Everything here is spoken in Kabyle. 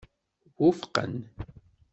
Wufqen.